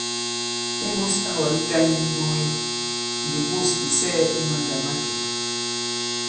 Imbūs awà yitan yi ǹnduge ndi bûs ì sɛɛ̄ i mandàmakè.